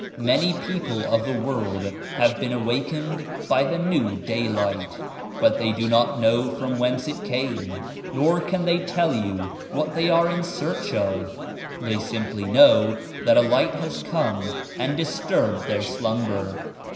Many people of the world have been awakened by the New Daylight but they do not know from whence it came nor can they tell you what they are in search of. They simply know that a Light has come and disturbed their slumber.